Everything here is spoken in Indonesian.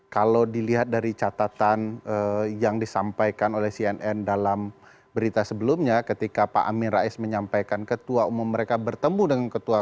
kalau dilihat dari catatan yang disampaikan oleh cnn dalam berita sebelumnya ketika pak amin rais menyampaikan ketua umum mereka bertemu dengan ketua